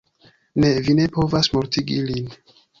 Ne, vi ne povas mortigi lin.